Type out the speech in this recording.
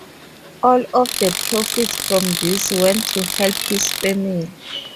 All of the profits from this went to help his family.